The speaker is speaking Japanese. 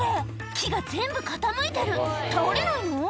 木が全部傾いてる倒れないの？